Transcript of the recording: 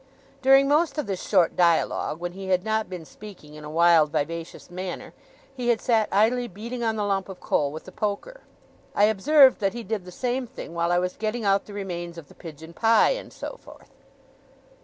During most of this short dialogue, when he had not been speaking in a wild vivacious manner, he had sat idly beating on the lump of coal with the poker. I observed that he did the same thing while I was getting out the remains of the pigeon pie, and so forth.